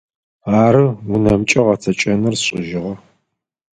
Ары, унэмкӏэ гъэцэкӏэныр сшӏыжьыгъэ.